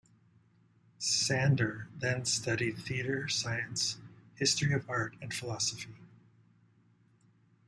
Sander then studied theatre science, history of art and philosophy.